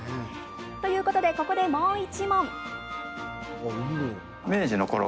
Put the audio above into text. ということで、ここでもう１問！